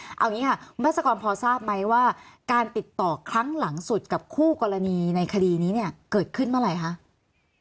ด้านบาทหุ้นพรรษกรรมพอร์ททราบไหมว่าการติดต่อครั้งหลังสุดกับคู่กรณีในคดีนี้เกิดขึ้นเมื่อไหร่ครับ